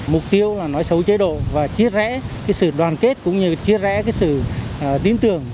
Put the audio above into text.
mục tiêu là nói xấu chế độ và chia rẽ sự đoàn kết cũng như chia rẽ sự tin tưởng